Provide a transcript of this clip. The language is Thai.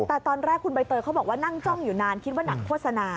แต่ตอนแรกคุณใบเตยเขาบอกว่านั่งจ้องอยู่นานคิดว่าหนังโฆษณา